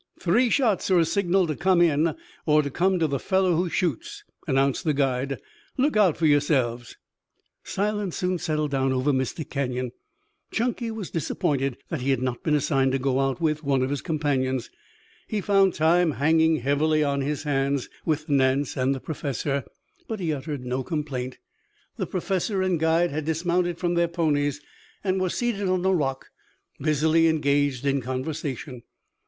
"Three shots are a signal to come in, or to come to the fellow who shoots," announced the guide. "Look out for yourselves." Silence soon settled down over Mystic Canyon. Chunky was disappointed that he had not been assigned to go out with one of his companions, he found time hanging heavily on his hands with Nance and the Professor, but he uttered no complaint. The Professor and guide had dismounted from their ponies and were seated on a rock busily engaged in conversation.